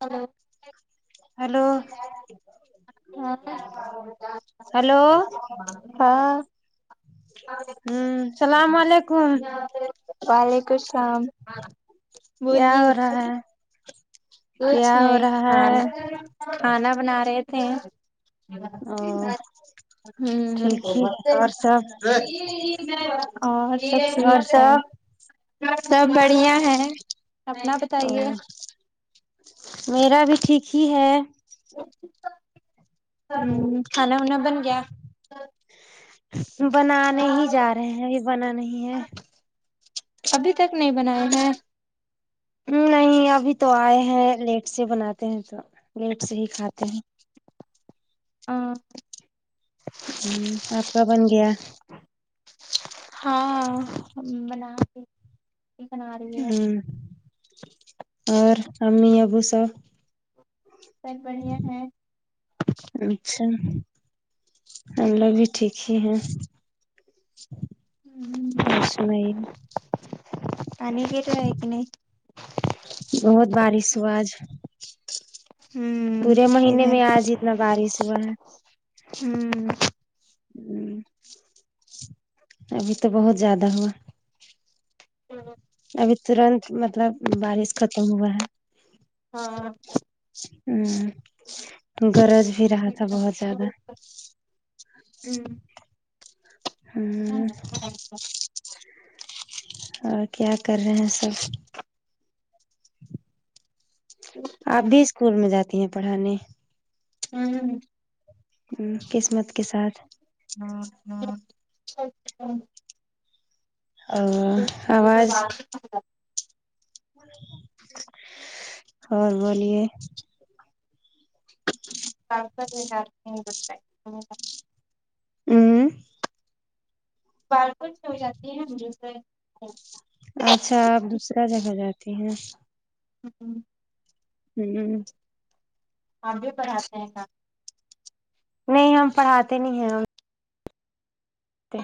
hello hello hello ہاں ہوں سلام علیکم وعلیکم اسلام کیا ہو رہا ہے کچھ کیا ہو نہیں رہا ہے کھانا کھانا بنا رہے تھے او [unintelligible] ٹھیک ہی ہمم ہے سب اور ٹھیک اور سب ہے سب بڑھیا ہے اپنا او بتائیے میرا بھی ٹھیک ہی ہے اوک [unintelligible] ہمم کھانا وانا بن گیا بنانے ہی جا رہے ہیں ابھی بنا نہیں ہے ابھی تک نہیں بنائے ہیں نہیں ابھی تو آئے ہیں لیٹ سے بناتے ہیں تو لیٹ سے ہی کھاتے ہیں اں ہمم آپ کا بن گیا ہاں ہم بنا رہے ہمم اور امی ابو سب سب بڑھیا ہے اچھا ہم لوگ بھی ٹھیک ہی ہیں اور سنائیے پانی کے تو ہے کہ نہیں بہت بارش ہوا آج پورے ہ مہینے ادھر میں بھی آج ہی اتنا بارش ہوا ہے ہمم ابھی تو بہت زیادہ ہوا ہمم ابھی ترنت مطلب بارش ختم ہوا ہے ہاں ہوں گرج بھی رہا تھا بہت زیادہ ہاں ہوں اور کیا کر رہے ہیں سب آپ بھی اسکول میں جاتی ہیں پڑھانے ہوں ہ قسمت کے ساتھ ہمم ہچ اچ [unintelligible] ا ہ اور آواز اور بولیے کا کرزار [unintelligible] دوسر اوں بار پ [unintelligible] ٹ میں ہو جاتی ہے مجھے سے اچھا آپ دوسرا جگہ جاتی ہیں ہوں ہوں ہاں ج جچ نہیں ہم پڑھاتے نہیں ہیں ہم ہ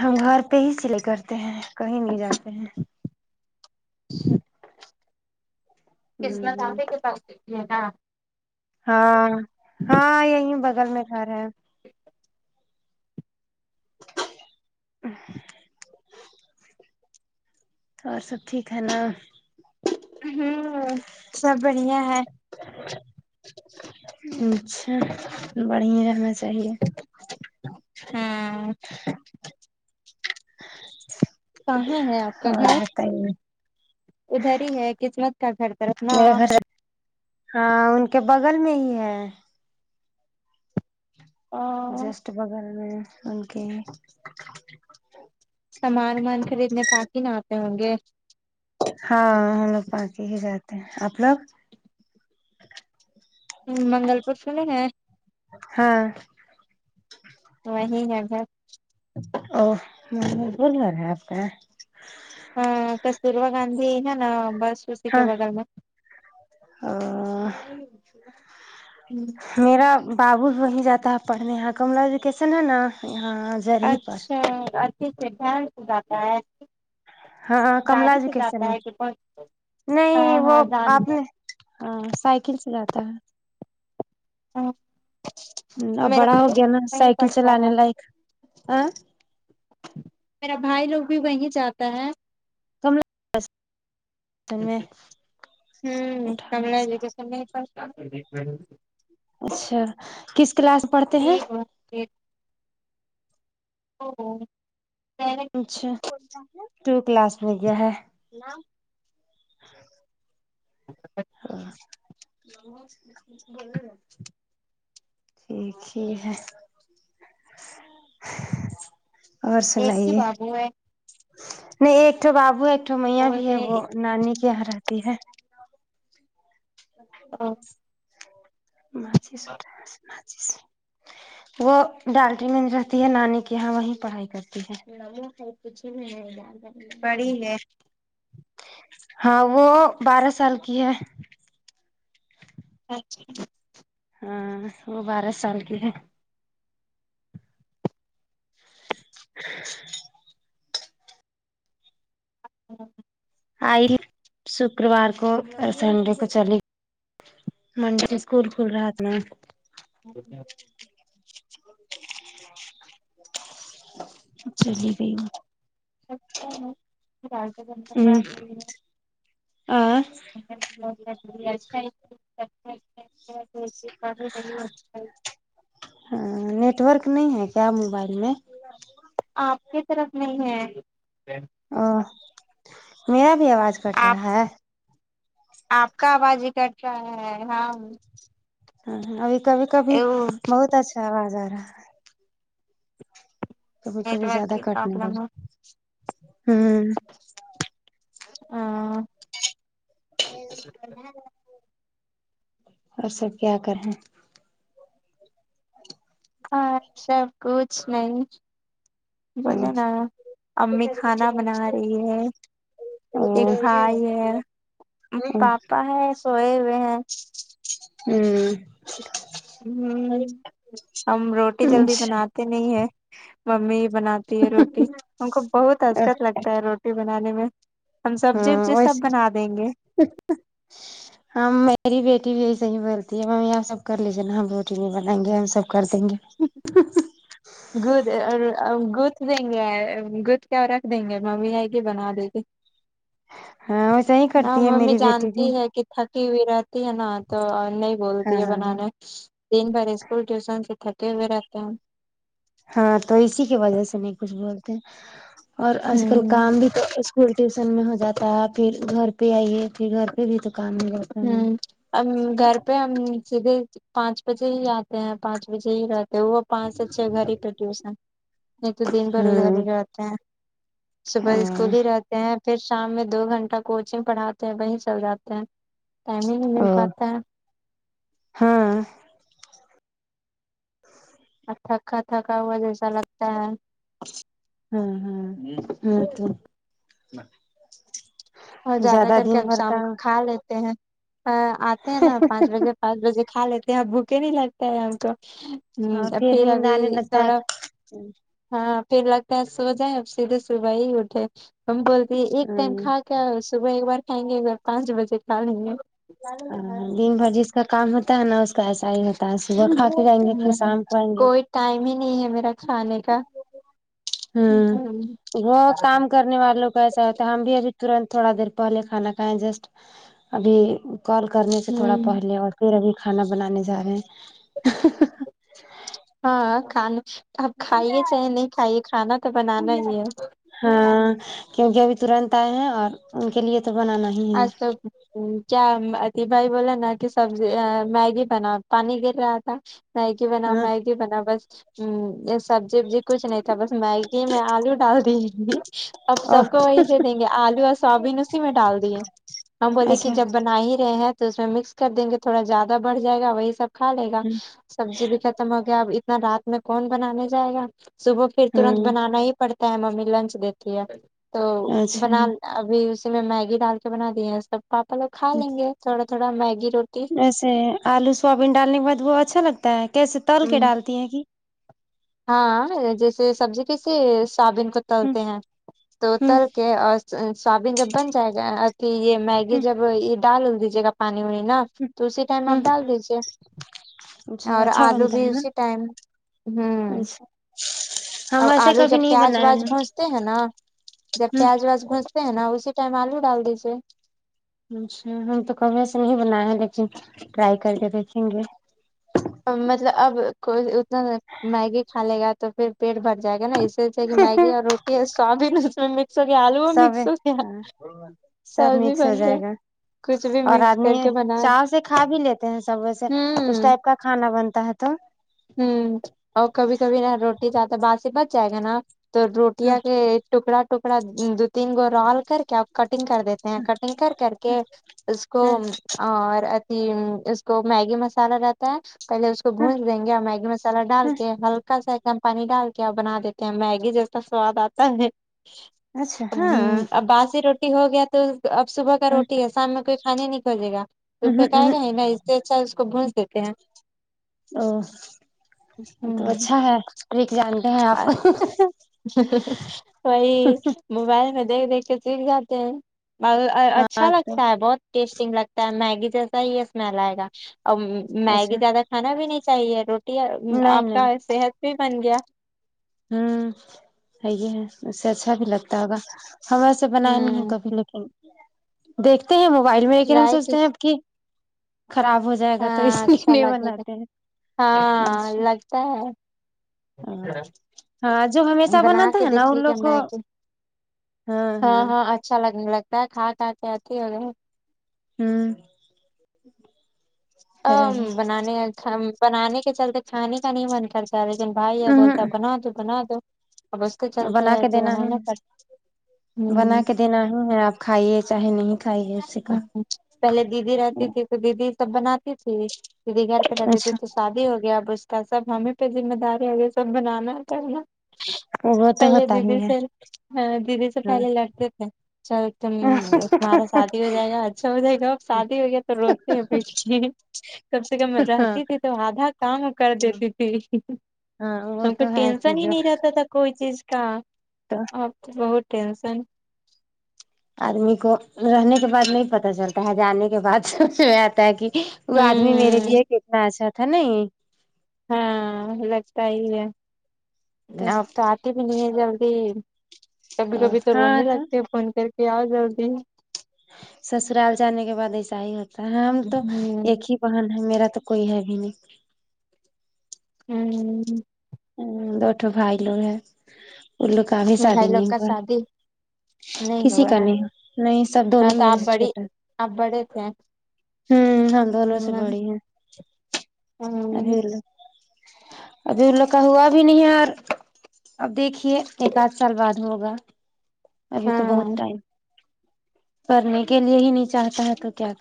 ہم گھر پہ ہی سلے کرتے ہیں کہیں نہیں جاتے ہیں ہوں قسمت ہوں آپے کے پاس دےتی ہے کا ہاں ہاں یہی بغل میں گھر ہیں اور سب ٹھیک ہے نا ہوں ہوں سب بڑھیا ہے اچھا بڑھیا رہنا چاہیے ہاں کہے ہے آپ کا گھر کئی ادھر ہی ہے قسمت کا گھر طرف نا مے گھر ہاں ان کے بغل میں ہی ہے اور جسٹ بغل میں ان کے سامان ومان خریدنے پااک ہی نہ آتے ہوں گے ہاں ہم لوگ پانچ ہی جاتے ہیں آپ لوگ ہ منگل پور سنے ہیں ہاں وہی ہے گھر او بول رہ رہے آپ کا ہ کستوربا گاندھی نا نا بس سو س کے بغل میں ا ہوں میرا بابو بھی وہیں جاتا ہے پڑھنے یہاں کملہ ایجوکیسن ہے نا یہاں جرہی پر اچھا آپ کے سیدھانت زیادہ ہے ہاں کملا گاڑی جی سے کسن جاتا میں ہے کہ نہیں ہاں ہاں وہ آپ جانتے نے ہاں سائیکل سے جاتا ہے ہاں ہوں اب میرا بڑا ہو بھائی گیا نا وہیں سائیکل پڑھتا چلانے ہے لائق اں میرا بھائی لوگ بھی وہیں جاتا ہے [unintelligible] میں ہوں اٹھانا اللہ اس کی کا قسم میرے پاس [unintelligible] اچھا کس کلاس پڑھتے ہیں وہ [unintelligible] اچھا ٹو کلاس میں گیا ہے [unintelligible] ہاں بولا نہ ٹھیک ہی ہے اور ایک ہی سنائیے بابو ہے نہیں ایکٹو بابو ہے ایکٹو میا بھی بولتے ہے وہ ہیں نانی کے یہاں رہتی ہے سب کو ملتے ہیں نچس اٹ نچس وہ ڈالٹری میں رہتی ہے نانی کے یہاں وہیں پڑھائی کرتی ہے کچھ بھی نہیں ڈال ریں بڑی ہے ہاں وہ بارہ سال کی ہے اچھا ہاں وہ بارہ سال کی ہے [inaudible] [unintelligible] آئی شکروار کو سنڈے کو چلی منڈے کو اسکول کھل رہا تھا نا چلی گئی [unintelligible] آ [unintelligible] ہاں نیٹورک نہیں ہے کیا موبائل میں آپ کی طرف نہیں ہے اں میرا بھی آواز کٹ آپ رہا ہے آپ کا آواز ہی کٹ رہا ہے ہاں ہاں ابھی کبھی کبھی بہت اچھا آواز آ رہا ہے کبھی نیٹ کبھی ورک زیادہ کی کٹ نہیں پرابلم لگا ہوں اں اور سب کیا کرے ہاں سب کچھ نہیں ہ بولے نا امی کھانا بنا رہی ہے ہ ایک بھائی ہے پاپا ہے سوئے ہوئے ہیں ہوں ہوں ہم روٹی جلدی اچھا بنا تی نہیں ہے ممی ہی بناتی ہے روٹی ہم کو بہت ہچکت لگتا ہے روٹی بنانے میں ہم سبزی ہاں وبزی ویسے سب بنا دیں گے ہم میری بیٹی بھی ایسے ہی بولتی ہے ممی یہ سب کر لیجیے نا ہم روٹی نہیں بنائیں گے ہم سب کر دیں گے گود گودھ دیں گے گتھ کے رکھ دیں گے ممی آئے گی بنا دے گی ہاں ویسے ہی نہ کرتی ہے ممی میری بیٹی بھی جانتی ہے کہ تھکی ہوئی رہتی ہے نا تو نہیں ہاں بولتی ہے بنانے دن بھر اسکول ٹیوشن سے تھکے ہوئے رہتے ہیں ہاں تو اسی کی وجہ سے نہیں کچھ بولتے اور آج کل ہوں کام بھی تو اسکول ٹیوشن میں ہو جاتا ہے پھر گھر پہ آئیے پھر گھر پہ بھی تو کام نہیں ہوتا ہمم ہم گھر پہ ہم سیدھے پانچ بجے ہی آتے ہیں پانچ بجے ہی رہ وہ پانچ سے چھ گھر ہی پر ہےٹیوشن نہیں تو دن بھر ادھر ہاں ہی رہتے ہیں صبح ہاں اسکول ہی رہتے ہیں پھر شام میں دو گھنٹہ کوچنگ پڑھاتے ہیں وہی چل جاتے ہیں ٹائم ہی نہیں مل ہاں پاتا ہے ہاں اور تھکا تھکا ہوا جیسا لگتا ہے ہاں ہاں ہمم تو اور زیادہ کر دن کیا ہم بھر کا شام کو کھا لیتے ہیں آتے ہیں نا پانچ بجے پانچ بجے کھا لیتے ہیں بھوکے ہی نہیں لگتا ہے ہم کو ہمم ہاں پھر نیند ابھی آنے لگتا تھوڑا ہے ہاں پھر لگتا ہے سو جائیں اب سیدھے صبح ہی اٹھے ہم بولتی ایک ٹائم ہاں کھا کے کیا صبح ایک بار کھائیں گے پانچ بجے کھا لیں گے دن بھر جس کا کام ہوتا ہے نا اس کا ایسا ہی ہوتا ہے صبح کھا کے جائیں گے پھر ہمم شام کو آئیں گے کوئی ٹائم ہی نہیں ہے میرا کھانے کا ہ ہوں وہ کام کرنے والوں کیسا ہوتا ہم بھی ابھی ترنت تھوڑا دیر پہلے کھانا کھائیں جسٹ ابھی کال کرنے سے تھوڑا پہلے اور پھر ابھی کھانا بنانے جا رہے ہیں ہاں کھانا اب کھائیے چاہے نہیں کھائیے کھانا تو بنانا ہی ہے ہاں کیونکہ ابھی ترنت آئے ہیں اور ان کے لیے تو بنانا ہی ہے اج تو کیا اتی بھائی بولا نا کہ سبزی میگی بناو پانی گر رہا تھا میگی بناؤ ہاں میگی بناؤ بس یہ سبزی وبزی کچھ نہیں تھا بس میگی میں آلو ڈال دیں گی اب سب اور کو وہی دے دیں گے آلو اور سویابین اس اسی میں ڈال ہم بولیے کہ اچھا جب بنا ہی رہے ہیں تو اس میں مکس کر دیں گے تھوڑا زیادہ بڑھ جائے گا وہی سب کھا لے گا سبزی بھی ختم ہوگیا اب اتنا رات میں کون بنانے جائے گا صبح پھر ترنت ہاں بنانا ہی پڑتا ہے ممی لنچ دیتی ہے تو اچھا بنا ابھی اسی میں میگی ڈال کے بنا دی ہیں سب پاپا لوگ کھا لیں گے تھوڑا تھوڑا میگی روٹی ویسے آلو سویابین ڈالنے کے بعد وہ اچھا لگتا ہے کیسے تل کے ہ ڈالتی ہے کہ ہاں جیسے سبزی کیسے سویابین کو تل ہوں تے ہیں تو ہوں تل اور سویابین جب بن جائے گا تو یہ میگی جب ہوں یہ ڈال دیجیے گا پانی وانی نہا تو اسی ٹائم آپ ہوں ڈال دیجیے اچھا اور اچھا آلو بنتا بھی ہے نا اسی ٹائم ہوں اچھا ہم اور ایسے آلو کبھی جب نہیں پیاز بنایا واج ہے گھستے ہیں نا جب ہ پیاز ویاج گھستے ہیں نا اسی ٹائم آلو ڈال دیجتے اچھا ہم تو کبھی ایسے نہیں بنائے ہیں لیکن ٹرائی کر کے دیکھیں گے مطلب اب کوئی اتنا میگی کھا لے گا تو پھر پیٹ بھر جائے گا نا اس جیسے کہ میگی اور روٹی ہے سویابین اس میں ہو گیا آلو میں سب مکس ہو گیا ہاں سب سبزی مکس ہو بن جائے گا کچھ بھی اور مکس آدمی کر کے بنا چا سے کھا بھی لیتے ہیں سب ویسے اس ہوں ٹائپ کا کھانا بنتا ہے تو ہمم اور کبھی کبھی نا روٹی زیادہ باسی بچ جائے گا نا تو روٹیاں کے ٹکڑا ٹکڑا دو تین گو رال کر کیا کٹنگ کر دیتے ہیں کٹنگ کر کر کے اس کو اور اتیھی اس کو میگی مسالا رہتا ہے پہلے اس کو بھج گیا میگی مسالہ ڈال کے ہلکا سا ایک دم پانی ڈال کے اور بنا دیتے ہیں میگی جیسا سواد آتا ہے اچھا اب ہاں اب باسی روٹی ہو گیا تو اب صبح کا روٹی شام میں کوئی کھانے نہیں کھوجے گا تو پھینکائے گا ہی نا اس سے اچھا اس کو گونج دیتے ہیں او تو اچھا ہے ٹرک جانتے ہیں آپ وہی موبائل میں دیکھ دیکھ کے سیکھ جاتے ہیں اچھا ہاں تو لگتا ہے بہت ٹیسٹگ لگتا ہے میگی جیسا ہی یہ اسمیل آئے گا اور میگی اچھا زیادہ کھانا بھی نہیں چاہیے روٹی نہیں آپ نہیں کا صحت بھی بن گیا ہمم صحیح ہے اس سے اچھا بھی لگتا ہوگا ہم بنا نہیں ہے ہوں کبھی لیکن دیکھتے ہیں موبائل میں لیکن ہم ٹرائی سوچتے ہیں کس اب کی خراب ہو جائے گا تو ہاں اس لیے اچھا نہیں لگے گا بناتے ہیں ہاں اچھا لگتا ہے [unintelligible] ہاں جو ہم بنا کے دیکھیے گے ہم آ کے ہاں ہاں اچھا لگنے لگتا ہے کھا کھا کے آتی ہو ہمم ا بنانے بنانے کے چلتے کھانے کا نہیں من کر لیکن بھائی یہ بولتا ہے ہوں بنا دو بنا دو اب اس کے چلتے بنا ہیں کے کہ دینا ہے بنانا پڑ بنا ہمم کے دینا ہی ہے آپ کھائیے چاہے نہیں کھائیے اسی کا ہمم پہلے دیدی رہتی تھی تو دیدی سب بناتی تھی دیدی گھر پہ رہتی تھی اچھا تو شادی ہو گیا اب سب ہمیں پہ ذمہ داری ہے سب بنانا پڑا نا وہ تو پہلے ہوتا دیدی ہی ہے سے دیدی سے ہاں پہلے لڑتے تھے چل تم تمہارا شادی ہو جائے گا اچھا ہو جائے گا شادی ہو گیا تو روتے ہیں بلکہ کم سے کم ہاں رہتی تھی تو آدھا کام کر دیتی تھی ہاں وہ ہم کو تو ہے کہ ٹینسن ہی جو نہیں رہتا تھا کوئی چیز کا تو اب تو بہت ٹینشن آدمی کو رہنے کے بعد نہیں پتہ چلتا ہے جانے کے بعد سب سے ہو آتا ہے کہ ہ وہ آدمی میرے ہ لیے کتنا اچھا تھا نیی ہاں لگتا ہی ہے اپ تو آپ بھی نہیں ہے جلدی کبھی کبھی تو رونے لگتے ہیں فون کر کے آؤ جلدی سسرال جانے کے بعد ایسا ہی ہوتا ہے ہم تو ایک ہی بہن ہے میرا تو کوئی ہے بھی نہیں ہوں ہمم دوٹو بھائی لوگ ہے ان لوگ کا ابھی شادی بھائی لوگ نہیں کا ہوا شادی نہیں کسی ہوا کا ہے نہیں نہیں سب ہاں دونوں تو میرے آپ سے بڑی چھوٹے ہے آپ بڑے تھے ہوں ہم دونوں سے بڑی ہیں ہاں ہیلو ابھی یہ لوگ کا ہوا بھی نہیں یار اب دیکھیے ایک آدھ سال بعد ہوگا ابھی تو ہاں بہت ٹائم پڑھنے کے لیے ہی نہیں چاہتا ہے تو کیا